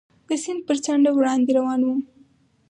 د سیند پر څنډه وړاندې روان ووم.